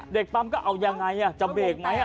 เด็กปั๊มก็เอายังไงจะเบรกไหม